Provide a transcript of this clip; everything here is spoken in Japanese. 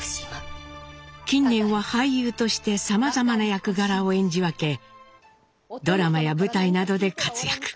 近年は俳優としてさまざまな役柄を演じ分けドラマや舞台などで活躍。